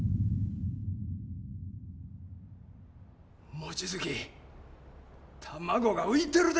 望月卵が浮いてるで！